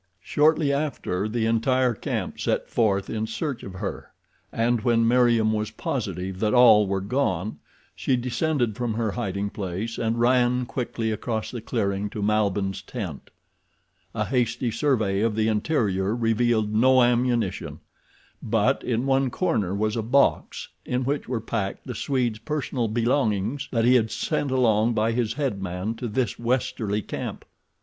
Shortly after the entire camp set forth in search of her and when Meriem was positive that all were gone she descended from her hiding place and ran quickly across the clearing to Malbihn's tent. A hasty survey of the interior revealed no ammunition; but in one corner was a box in which were packed the Swede's personal belongings that he had sent along by his headman to this westerly camp.